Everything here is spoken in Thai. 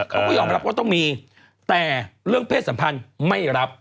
เขาก็ยอมรับว่าต้องมีแต่เรื่องเพศสัมพันธ์ไม่รับ